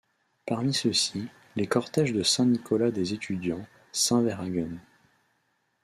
Parmi ceux-ci, les cortèges de Saint-Nicolas des étudiants, Saint-Verhaegen...